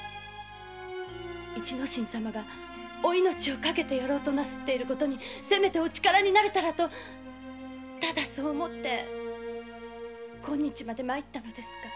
市之進様がお命をかけてやろうとなさっている事にせめてお力になれたらとただそう思って今日まで参ったのですが。